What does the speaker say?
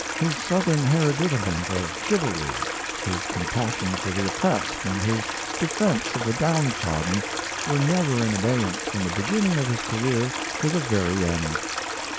His Southern hereditament of chivalry, his compassion for the oppressed and his defence of the down trodden, were never in abeyance from the beginning of his career to the very end.